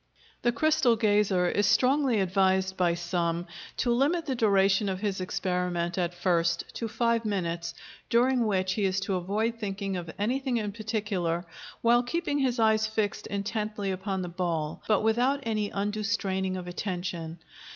The crystal gazer is strongly advised by some to limit the duration of his experiment at first to five minutes, during which he is to avoid thinking of anything in particular while keeping his eyes fixed intently upon the ball, but without any undue straining of attention.